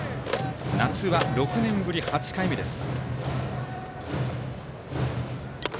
夏は６年ぶり８回目です。